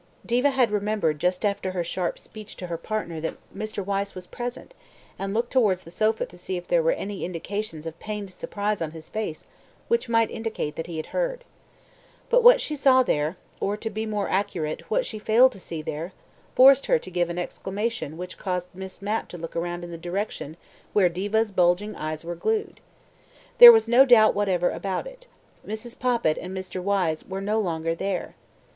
Diva had remembered just after her sharp speech to her partner that Mr. Wyse was present, and looked towards the sofa to see if there were any indications of pained surprise on his face which might indicate that he had heard. But what she saw there or, to be more accurate, what she failed to see there forced her to give an exclamation which caused Miss Mapp to look round in the direction where Diva's bulging eyes were glued. ... There was no doubt whatever about it: Mrs. Poppit and Mr. Wyse were no longer there.